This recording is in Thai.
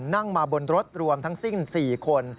นั่งมาบนรถรวมทั้งสิ้น๔คน